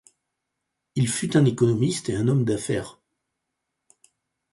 Il fut un économiste et un homme d'affaires.